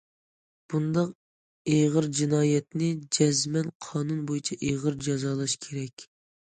بۇنداق ئېغىر جىنايەتنى جەزمەن قانۇن بويىچە ئېغىر جازالاش كېرەك.